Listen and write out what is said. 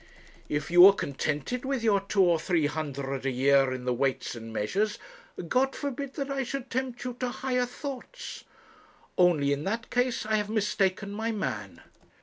If you are contented with your two or three hundred a year in the Weights and Measures, God forbid that I should tempt you to higher thoughts only in that case I have mistaken my man.'